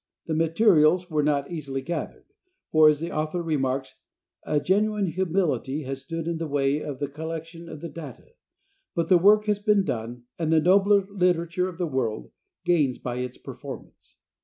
The materials were not easily gathered, for, as the author remarks, a genuine humility has stood in the way of the collection of the data, but the work has been done, and the nobler literature of the world gains by its performance.